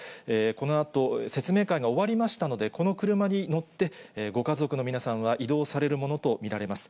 このあと、説明会が終わりましたので、この車に乗って、ご家族の皆さんは移動されるものと見られます。